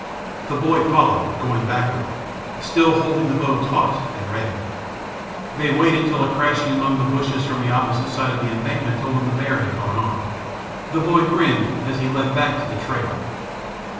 The boy followed, going backward, still holding the bow taut and ready. They waited till a crashing among the bushes from the opposite side of the embankment told them the bear had gone on. The boy grinned as he led back to the trail.